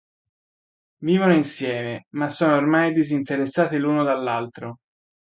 Vivono insieme, ma sono ormai disinteressati l'uno dall'altro.